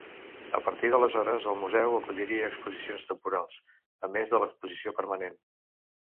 A partir d'aleshores el museu acolliria exposicions temporals, a més de l'exposició permanent.